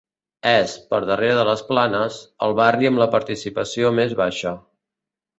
És, per darrere de les Planes, el barri amb la participació més baixa.